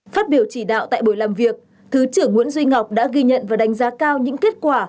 phát biểu chỉ đạo tại buổi làm việc thứ trưởng nguyễn duy ngọc đã ghi nhận và đánh giá cao những kết quả